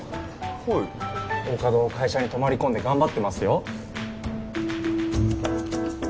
はい大加戸会社に泊まり込んで頑張ってますよ